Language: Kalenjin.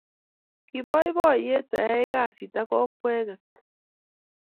Kiboiboiyet ayai kasit ak okweket tuk